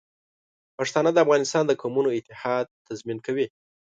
پښتانه د افغانستان د قومونو اتحاد تضمین کوي.